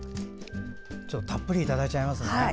たっぷりいただいちゃいますね。